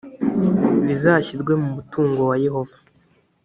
bizashyirwe mu mutungo wa yehova .